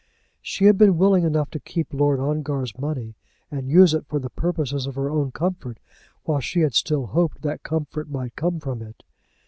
She had been willing enough to keep Lord Ongar's money, and use it for the purposes of her own comfort, while she had still hoped that comfort might come from it.